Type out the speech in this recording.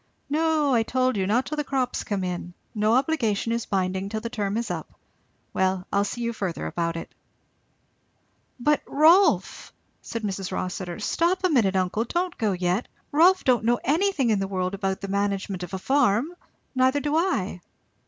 "No, I told you, not till the crops come in. No obligation is binding till the term is up. Well, I'll see you further about it." "But Rolf!" said Mrs. Rossitur, "stop a minute, uncle, don't go yet, Rolf don't know anything in the world about the management of a farm, neither do I."